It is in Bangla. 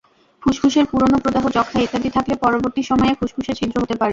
ফুসফুসের পুরোনো প্রদাহ, যক্ষ্মা ইত্যাদি থাকলে পরবর্তী সময়ে ফুসফুসে ছিদ্র হতে পারে।